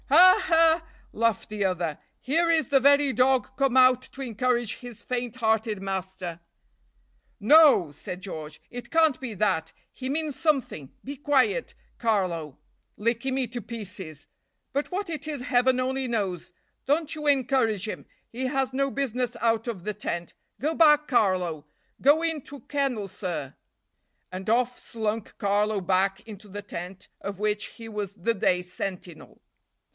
"Ha! ha!" laughed the other. "Here is the very dog come out to encourage his faint hearted master." "No!" said George, "it can't be that he means something be quiet, Carlo, licking me to pieces but what it is Heaven only knows; don't you encourage him; he has no business out of the tent go back, Carlo go into kennel, sir;" and off slunk Carlo back into the tent, of which he was the day sentinel.